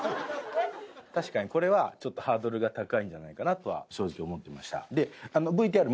確かにこれはちょっとハードルが高いんじゃないかなとは正直思ってました。